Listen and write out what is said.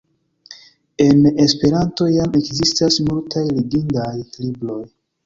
En Esperanto jam ekzistas multaj legindaj libroj.